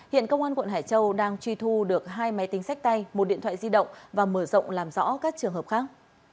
hiện công an quận hải châu đang truy thu được hai máy tính sách tay một điện thoại di động và mở rộng làm rõ các trường hợp khác